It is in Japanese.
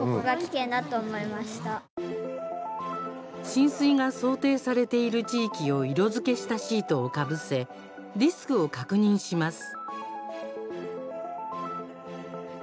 浸水が想定されている地域を色づけしたシートをかぶせリスクを確認します。